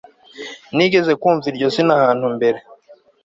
Nigeze kumva iryo zina ahantu mbere